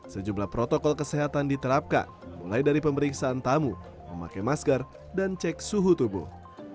sejumlah protokol kesehatan diterapkan mulai dari pemeriksaan tamu memakai masker dan cek suhu tubuh